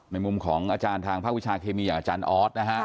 มุมของอาจารย์ทางภาควิชาเคมีอย่างอาจารย์ออสนะฮะ